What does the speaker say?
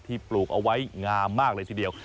ปลูกเอาไว้งามมากเลยทีเดียว